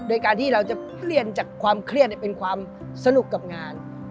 โดยการที่เราจะเปลี่ยนจากความเครียดเป็นความสนุกกับงาน